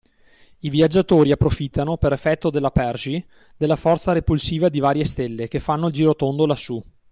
I viaggiatori approfittano, per effetto dell’apergy, della forza repulsiva di varie stelle, che fanno il girotondo lassù… .